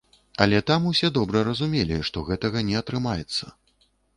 Але там усе добра разумелі, што гэтага не атрымаецца.